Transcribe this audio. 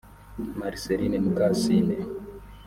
Marcelline Mukasine